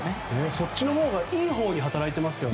そっちのほうがいいほうに働いていますよね。